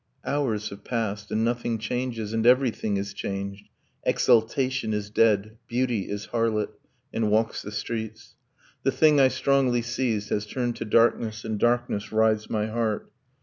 ... Hours have passed, And nothing changes, and everything is changed. Exultation is dead, Beauty is harlot, And walks the streets. The thing I strongly seized Has turned to darkness, and darkness rides my heart.